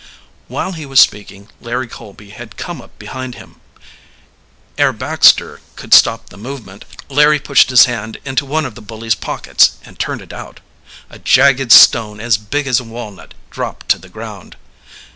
While he was speaking Larry Colby had come up behind him. Ere Baxter could stop the movement, Larry pushed his hand into one of the bully's pockets and turned it out. A jagged stone as big as a walnut dropped to the ground.